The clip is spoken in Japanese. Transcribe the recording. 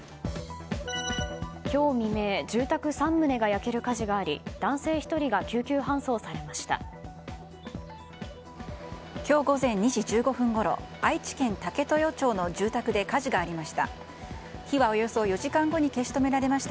今日未明、住宅３棟が焼ける火事があり男性１人が救急搬送されました。